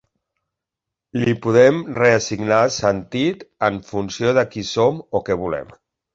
Li podem reassignar sentit en funció de qui som o què volem.